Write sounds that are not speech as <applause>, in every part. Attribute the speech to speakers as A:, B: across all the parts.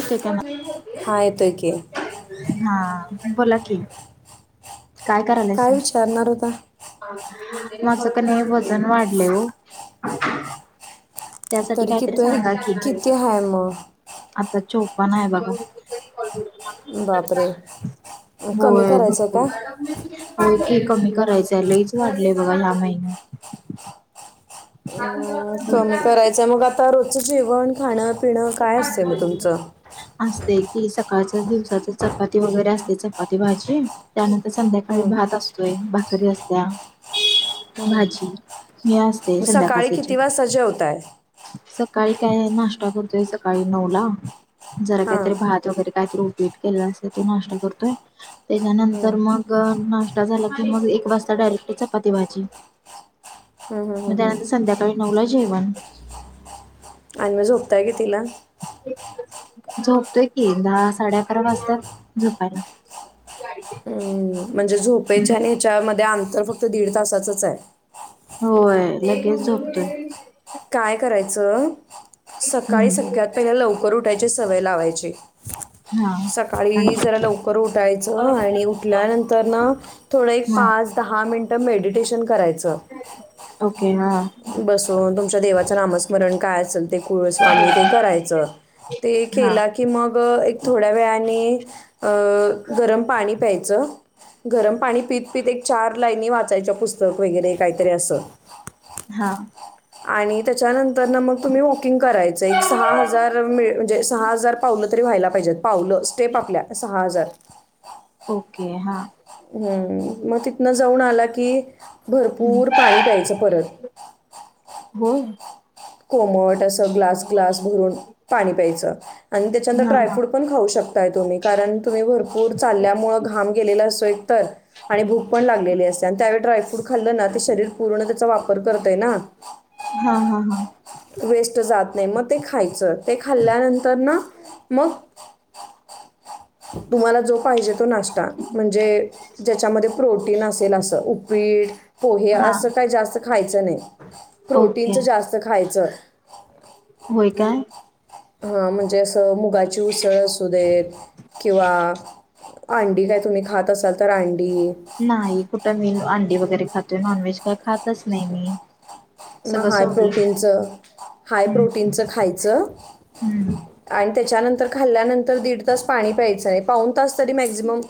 A: क
B: हा येतोय की
A: हा बोला कि. काय? करायलंय
B: काय
A: सां
B: विचारणार होता
A: माझं क नाही वजन वाढले हो. त्यासाठी
B: तरी
A: काहीतरी
B: किती आहे
A: सांगा की
B: किती आहे मग
A: आता चोपण आहे बघा.
B: बापरे! कमी करायचंय का?
A: हो <unintelligible> कमी करायचं लईचं वाढलंय बघा ह्या महिन्यात. थांब.
B: अं, कमी करायचं मग आता रोजचं जेवण खाणं पिणं काय असते मग तुमचं.
A: कालच्या दिवसाचं चपाती वगैरे असते. चपाती भाजी त्यानंतर संध्याकाळी
B: हं.
A: भात अस तोय भाकरी असत्या. भाजी हे अस ते
B: मग सकाळी
A: संध्याकासचे
B: किती वाजता जेवताय
A: सकाळी काय आहे नाश्ता करतोय. सकाळी नऊ ला जरा
B: हां
A: काहीतरी भात वगैरे काहीतरी उपीट केलं असते. तो नाश्ता करतोय. त्याच्यानंतर
B: हं.
A: मग ग नाश्ता झाला की, मग एक वाजता डायरेक्ट चपाती भाजी
B: हं, हं,
A: मग
B: हं, हं.
A: त्यानंतर संध्याकाळी नऊ ला जेवण.
B: आणि मग झोपताय किती ला?
A: झोपतोय की, दहा साडे अकरा वाजतात झोपायला.
B: हं, म्हणजे झोपेच्या आणि ह्याच्यामध्ये अंतर फक्त दीड तासाचंच आहे.
A: होय लगेच झोपतोय.
B: काय करायचं? सकाळी
A: हम्म
B: सगंळ्यात पहिले लवकर उठायची सवय लावायचे.
A: हा
B: सकाळी
A: आणि
B: जरा लवकर उठायचं आणि उठल्यानंतर ना, थोडं एक
A: हा
B: पाच दहा मिनिटं मेडिटेशन करायचं.
A: ओके हा.
B: बसून तुमच्या देवाचं नामस्मरण काय असेल ते कुळ स्वामी ते करायचं. ते
A: हा
B: केलात कि मग एक थोड्या वेळाने अ गरम पाणी प्यायचं. गरम पाणी पीत पीत एक चार लाईनी वाचायच्या पुस्तक वगैरे काहीतरी असं.
A: हा,
B: आणि त्याच्यानंतर ना मग तुम्ही वॉकिंग करायच. एक सहा हजार मि म्हणजे सहा हजार पावलं तरी व्हायला पाहिजे. पावलं स्टेप आपल्या सहा हजार
A: ओके हा.
B: हम्म, मग तिथनं जाऊन आला की
A: हम्म
B: भरपूर पाणी प्यायचं परत
A: हो.
B: कोमट असं ग्लास ग्लास भरून पाणी प्यायचं. आणि त्याच्यानंतर
A: हा हा
B: ड्रायफ्रूट पण खाऊ शकताय तुम्ही कारण तुम्ही भरपूर चालल्यामुळे घाम गेलेला असोय तर आणि भूक पण लागलेली असते. आणि त्यावेळी ड्रायफ्रूट खाल्लं ना, ते शरीर पूर्ण त्याचा वापर करतंय ना,
A: हा हा हा,
B: वेस्ट जात नाही. मग ते खायचं. ते खाल्ल्यानंतर ना, मग- तुम्हाला जो पाहिजे तो नाश्ता म्हणजे ज्याच्यामध्ये प्रोटीन असेल असं उपीड पोहे
A: हा
B: असं काही जास्त खायचं नाही.
A: ओके
B: प्रोटीनच जास्त खायचं.
A: होय काय?
B: हा म्हणजे असं मुगाची उसळ असू देत. किंवा अंडी काय तुम्ही खात असाल तर अंडी
A: नाही कुठं मी अंडी वगैरे खातो नॉनव्हेज काय खातच नाही मी
B: मग
A: सगळं
B: हाय
A: सोडलं
B: प्रोटीनचं हाय
A: हम्म
B: प्रोटीनचं खायचं.
A: हम्म
B: आणि त्याच्यानंतर खाल्ल्यानंतर दीड तास पाणी प्यायचं आहे. पाऊन तास तरी मॅक्झिमम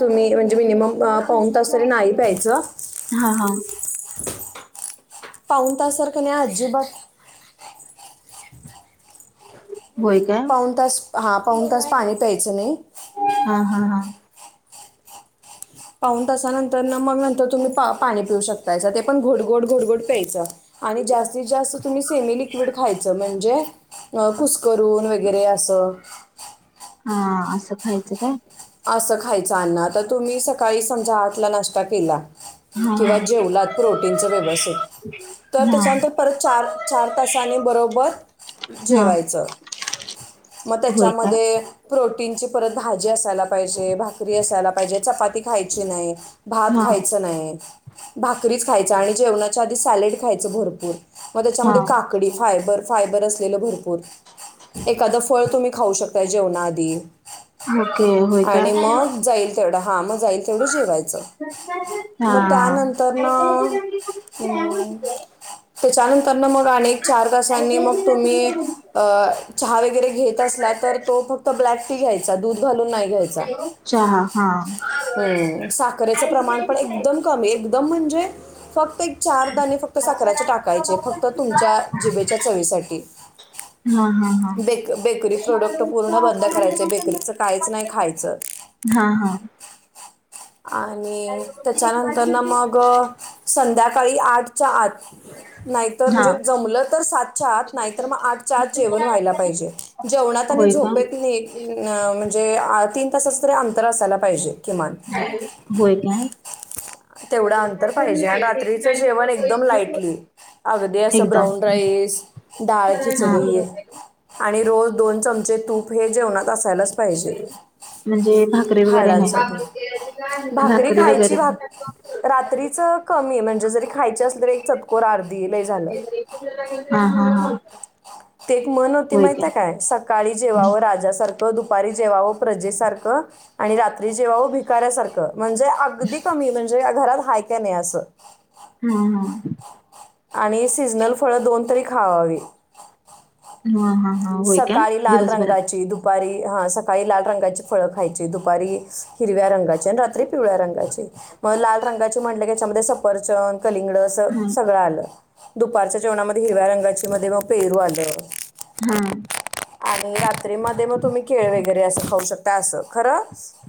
B: तुम्ही म्हणजे मिनिमम पाऊन तास तरी नाही प्यायचं.
A: हा हा.
B: पाऊण तास सर क नाही अजी बात
A: होय काय
B: पाऊन तास, हा पाऊन तास पाणी प्यायचं नाही.
A: हा हा हा.
B: पाऊन तासानंतर न मग नंतर तुम्ही पा पाणी पिऊ शकतायसा ते पण घोट -घोट घोट -घोट प्यायचं. आणि जास्तीत जास्त तुम्ही सेमी लिक्विड खायचं म्हणजे अ कुसकरून वगैरे असं
A: हा असं खायचं काय?
B: असं खायचं. अ्ना आता तुम्ही सकाळी समजा आठ ला नाश्ता केला?
A: हा
B: किंवा
A: हा
B: जेवलात प्रोटीनचं व्यवस्थित तर
A: हा
B: त्याच्यानंतर परत चार चार तासानी बरोबर
A: हा
B: जेवायचं. म
A: होय का
B: त्येच्यामध्ये प्रोटीनची परत भाजी असायला पाहिजे. भाकरी असायला पाहिजे. चपाती खायची नाही. भात
A: हा
B: खायचं नाही भाकरीच खायच आणि जेवणाच्या आधी सॅलेड खायचं भरपूर मग
A: हा
B: त्याच्यामध्ये काकडी, फायबर -फायबर असलेलं भरपूर एखादं फळ तुम्ही खाऊ शकताय जेवणा आधी
A: ओके. होय का
B: आणि मग जाईल तेवढं हा मग जाईल तेवढं जेवायचं.
A: हा.
B: हम्म त्याच्यानंतर न मग अनेक चार तासांनी मग तुम्ही अ चहा वगैरे घेत असला तर तो फक्त ब्लॅक टी घ्यायचा दूध घालून नाही घ्यायचा.
A: चहा. हा.
B: हम्म साखरेचं प्रमाण पण एकदम कमी एकदम म्हणजे फक्त चार दाणे फक्त साखराचे टाकायचे फक्त तुमच्या जिभेच्या चवीसाठी.
A: हा हा हा
B: बेक - बेकरी प्रोडक्ट पूर्ण बंद करायच. बेकरीच काहीच नाही खायचं.
A: हा हा.
B: आणि त्याच्यानंतर ना मग संध्याकाळी आठच्या आत नाहीतर
A: हा
B: म्हणजे जमलं तर सातच्या आत. नाहीतर मग आठच्या आत जेवण व्हायला पाहिजे. जेवणात आणि
A: होय का
B: झोपेत नाही न म्हणजे तीन तासच तरी अंतर असायला पाहिजे. किमान
A: होय काय?
B: तेवढं अंतर पाहिजे आणि रात्रीचं जेवण एकदम लाईटली. अगदी असं
A: एकदम
B: ब्राऊन राईस, डाळ
A: हा
B: -खिचडी - - आणि रोज दोन चमचे तूप हे जेवणात असायलाच पाहिजे
A: म्हणजे भाकरी वगैरे नाही
B: हाडांसाठी. भाकरी खायची भाक रात्रीच कमी म्हणजे जरी खायची असल तरी एक चतकोर आर्धी लय झालं.
A: हा हा हा.
B: ते एक मन होती माहिती हाय काय? सकाळी जेवावं राजासारखं. दुपारी जेवाव प्रजे सारख आणि रा त्री जेवावं भिकाऱ्यासारखं. म्हणजे अगदी कमी म्हणजे घरात हाय काय नाही असं.
A: हा हा.
B: आणि सिजनल फळं दोन तरी खावावी.
A: हा हा. होय काय
B: सकाळी लाल
A: दिवसभरात
B: रंगाची दुप दुपारी हां सकाळी लाल रंगाची फळं खायची. दुपारी हिरव्या रंगाची आणि रात्री पिवळ्या रंगाची. मग लाल रंगाची म्हटलं की याच्यामध्ये सफरचंद, कलिंगड अस
A: हा
B: सगळं आलं. दुपारच्या जेवणामध्ये हिरव्या रंगाची मध्ये मग पेरू आलं.
A: हम्
B: आणि रात्रीमध्ये मग तुम्ही केळ वगैरे असं खाऊ शकता असं खरं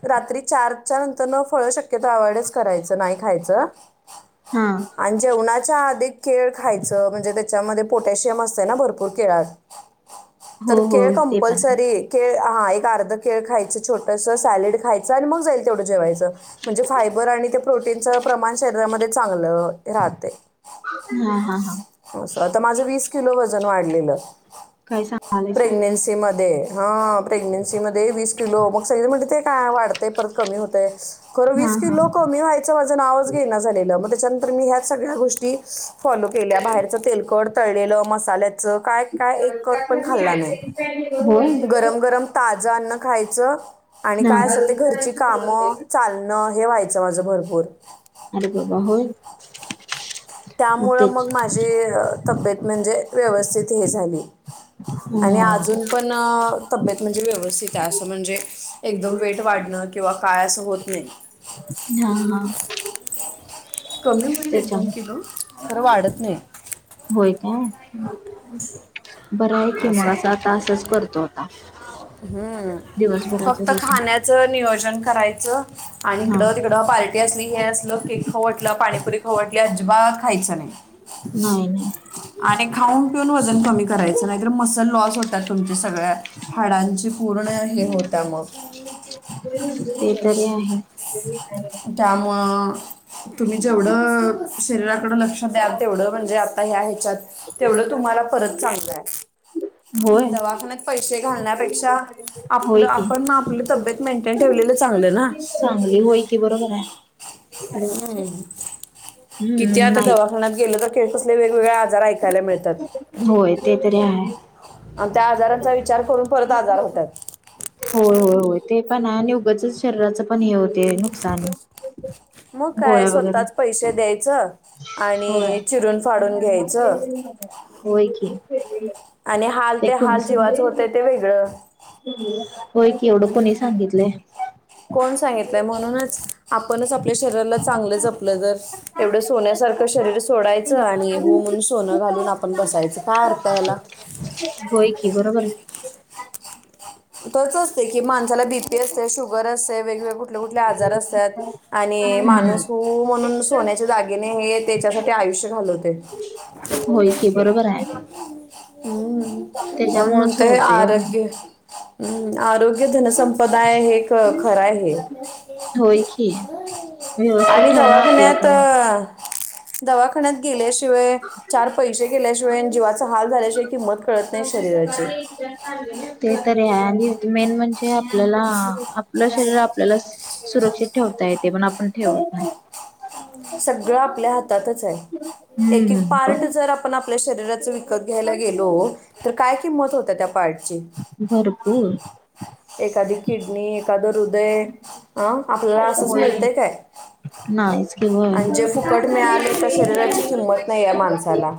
B: रात्री चार च्यानंतर न फळ शक्यता अवॉर्ड करायचं नाही खायचं.
A: हा
B: आणि जेवणाच्या आधी केळ खायचं म्हणजे त्याच्यामध्ये पोटॅशियम असतय ना भरपूर केळात.
A: हो
B: तर
A: हो
B: केळ
A: ते पण आहे
B: कंपलसरी केळ हा एक अर्ध केळ खायचं छोटस सॅलेड खायचं आणि मग जाईल तेवढं जेवायचं. म्हणजे फायबर आणि त्या प्रोटीनचं प्रमाण शरीरामध्ये चांगलं. राहतय
A: हा हा हा
B: अस आता माझं वीस किलो वजन वाढलेलं.
A: काय सांग
B: प्रेग्नस मध्ये हा प्रेग्नेन्सी मध्ये वीस किलो मग सगळे म्हणतात ते काय वाढत परत कमी होतेय. खरं
A: हा
B: वीस
A: हा
B: किलो कमी व्हायचं माझं नावच घे ना झालेलं मग त्याच्यानंतर मी ह्या सगळ्या गोष्टी फॉलो केल्या बाहेरचं तेलकड तळलेलं मसाल्याचं काय काय एक कट पण खाल्ला नाही.
A: होय
B: गरम गरम ताज अन्न खायचं. आणि
A: हा
B: काय असेल ते घरची कामं चालणं हे व्हायचं माझं भरपूर
A: आरे बाबा होय.
B: त्यामुळं मग माझी तब्येत म्हणजे व्यवस्थित हे झाली. आणि
A: हम
B: अजून पण तब्येत म्हणजे व्यवस्थित आहे असं म्हणजे एकदम वेट वाढणं किंवा काय असं होत नाही.
A: हा हा
B: कमी होईल एक दोन
A: त्याच्यामुळे
B: किलो पण वाढत नाही.
A: होय काय बरं आहे की
B: असं
A: मगं आस आता असच करतो आता. दिवसभराच रुटीन
B: च नियोजन करायच आणि
A: हा
B: इकड तिकड पा टी असली हे असलं केक खाऊ वाटलं पाणी पुरी खाऊ वाटली अजिबात खायचं नाही.
A: नाही नाही
B: आणि खाऊन पिऊन वजन कमी करायचं नाहीतर मसल लॉस होत्याल तुमच्या सगळ्या. हाडांची पूर्ण हे होत्या मग.
A: ते तरी आहे.
B: त्यामुळ तुम्ही जेवढं शरीराकड लक्ष द्याल तेवढं म्हणजे आता या ह्याच्यात तेवढं तुम्हाला परत चांगलाय.
A: होय
B: दवाखान्यात पैसे घालण्यापेक्षा आपलं
A: होय की
B: आपण आपली तब्येत मेंटेन ठेवलेलं चांगलं ना.
A: होय की बरोबर आहे.
B: हम् किती
A: हम्म
B: आता
A: नाही
B: दवाखान्यात गेले तर कसले वेगवेगळे आजार ऐकायला मिळतात.
A: होय ते तरी आहे.
B: आणि त्या आजारांचा विचार करून परत आजार होतात.
A: होय होय होय ते पण आहे आणि उगच शरीराच पण हे होतंय नुकसान.
B: मग काय
A: गोळ्या वगैरे
B: स्वतःच पैसे द्यायचं.
A: होय
B: आणि चिरून फाडून घ्यायचं
A: होय की.
B: आणि हाल ते
A: कोणी
B: हाल
A: सांग
B: जीवाच होत ते वेगळं.
A: होय की, एवढं कोणी सांगितलंय?
B: कोण सांगितलंय म्हणूनच, आपणच आपल्या शरीराला चांगलं जपलं जर एवढं सोन्यासारखं शरीर सोडायचं आणि हो म्हणून सोनं घालून आपण बसायचं. काय अर्थ याला?
A: होय की, बरोबर.
B: तसच असते की, माणसाला बीपी असते शुगर असते वेगवेग कुठले -कुठले आजार असतात आणि
A: हम्म
B: माणूस त म्हणून सोन्याच्या दागिने हे त्याच्यासाठी आयुष्य घालवते.
A: होय की, बरोबर आहे.
B: हम्म म्हणून
A: त्याच्यामुळेच
B: म्हणताोय
A: होतय होय.
B: आरोग्य <inaudible> हम्, आरोग्य धनसंपदा हे खरं आहे हे.
A: होय की व्यवस्थित
B: आणि
A: ठेवणं
B: दवाखान्यात
A: आपल्याकडे
B: दवाखान्यात गेल्याशिवाय, चार पैसे गेल्याशिवाय, जीवाचा हाल झाल्याशिवाय, किंमत कळत नाही शरीराचे.
A: ते तरी आहे. आणि मेन म्हणजे आपल्याला, आपलं शरीर आपल्याला सुरक्षित ठेवता येते. पण आपण ठेवत नाही.
B: सगळं आपल्या हातातच आहे. एक, -एक
A: हम्म
B: पार्ट जर आपण आपल्या शरीराच त घ्यायला गेलो, तर काय किंमत होत त्या पार्टची?
A: भरपूर
B: एखादी किडनी, एखादं हृदय, अं आपल्याला असंच मिळत काय?
A: ना इसक व
B: आणि जे फुकट मिळाले
A: आहे
B: त्या शरीराची किंमत नाही आहे माणसाला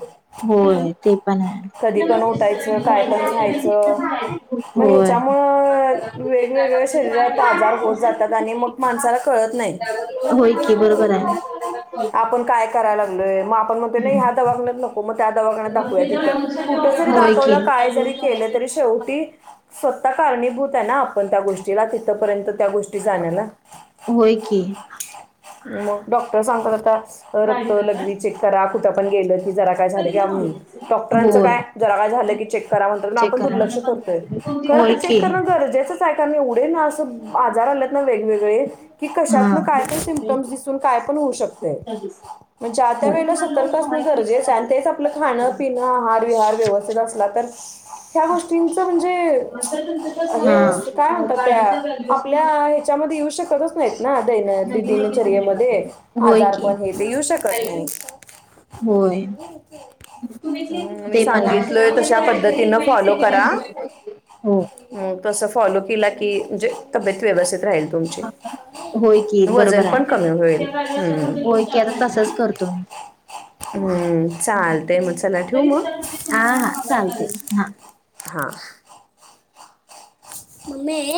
A: <inaudible> होय, ते पण आहे.
B: कधी पण
A: होय <inaudible>
B: उठायचं काय पण
A: ते
B: खायचं
A: पण
B: मग ह्याच्यामुळं वेगवेगळ्या शरीरात आजार होत जातात आणि
A: आहे
B: मग माणसाला कळत नाही
A: <inaudible> होय की, <inaudible> बरोबर आहे.
B: आपण काय कराय लागलोय, मग आपण म्हणते नाही
A: हम्म
B: ह्या दवाखान्यात नको, मग त्या दवाखान्या दाखवूया तिथं. कुठ जरी
A: होय की.
B: दाखवलं, काय जरी केलं, तरी शेवटी स्वतः कारणीभूत आहे ना आपण त्या गोष्टीला, तिथपर्यंत त्या गोष्टी जाण्याला.
A: हो की.
B: मग डॉक्टर सांगतात आता रक्त लगवी चेक करा, कुठं पण गेलं कि जरा काय झाल की, डॉक्टरांच
A: होय
B: काय जरा काय झालं की चेक करा म्हणतात. मग
A: चेक
B: आपण
A: करा.
B: दुर्लक्ष करतोय. खरं
A: होय
B: तर
A: की
B: चेक करण ज गरजेचं काय काय ना एवढे ना अस आजार आलेत ना वेगवेगळे कि,
A: हा हो.
B: कशातन
A: हा.
B: काय पण सिम्टम्सस पण काय पण होऊ शकते. ण ज्या त्या वेळेला सतर्क असणं गरजेचं आहे. आणि तेच आपलं खाणं पिणं आहार विहार व्यवस्थित असला तर ह्या गोष्टींच म्हणजे हे, काय म्हणतात त्या आपल्या त्याच्यामध्ये येऊ शकतच नाहीत ना दैन- दिनचर्येमध्ये.
A: होय
B: आजार
A: की
B: पण हे ते येऊ शकत नाही.
A: होय.
B: म् मी
A: ते पण आहे.
B: सांगितलोय तशा पद्धतीनं फॉलो करा.
A: हो.
B: तसं फॉलो केला की, म्हणजे तब्येत व्यवस्थित राहील. तुमची
A: होय की
B: वजन
A: बरोबर
B: पण
A: आहे.
B: कमी होईल. हम्म.
A: होय की आता तसच करतो मी.
B: हम्म, चाल ते मग चला ठेवू मग?
A: हा हा चालते. हा
B: हां. मम्मी